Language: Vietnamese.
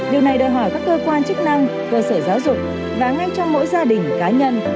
điều này đòi hỏi các cơ quan chức năng cơ sở giáo dục và ngay trong mỗi gia đình cá nhân